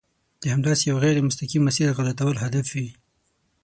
د همداسې یوه غیر مستقیم مسیر غلطول هدف وي.